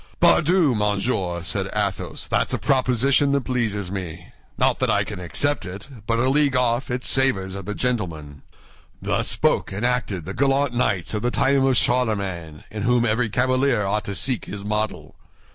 "Pardieu, monsieur!" said Athos, "that's a proposition that pleases me; not that I can accept it, but a league off it savors of the gentleman. Thus spoke and acted the gallant knights of the time of Charlemagne, in whom every cavalier ought to seek his model.